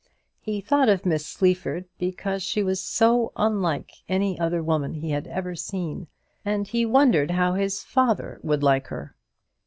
He thought of Miss Sleaford because she was so unlike any other woman he had ever seen, and he wondered how his father would like her.